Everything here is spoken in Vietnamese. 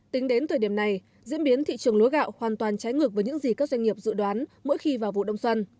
tính đến thời điểm này diễn biến thị trường lúa gạo hoàn toàn trái ngược với những gì các doanh nghiệp dự đoán mỗi khi vào vụ đông xuân